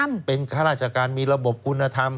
เพราะว่าเป็นข้าราชการมีระบบคุณธรรม